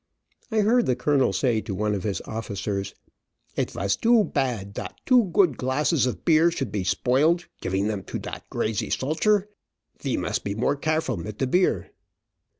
I heard the colonel say to one of his officers, "It vas too pad dot two good glasses of beer should be spoiled, giving them to dot grazy solcher. Ve must be more careful mit de beer."